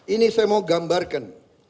ini saya mau gambarkan